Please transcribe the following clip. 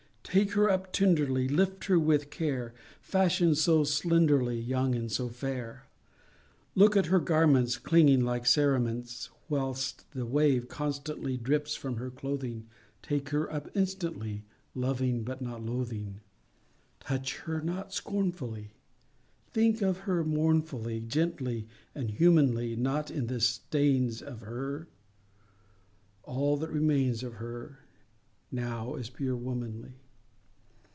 Take her up tenderly, Lift her with care;— Fashion'd so slenderly, Young and so fair! Look at her garments Clinging like cerements; Whilst the wave constantly Drips from her clothing; Take her up instantly, Loving not loathing. Touch her not scornfully; Think of her mournfully, Gently and humanly; Not of the stains of her, All that remains of her Now is pure womanly.